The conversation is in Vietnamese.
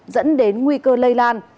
dẫn đến nguy cơ lây lan